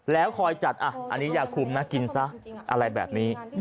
แล้วคอยจัดอันนี้ยาคุมนะกินซะอะไรแบบนี้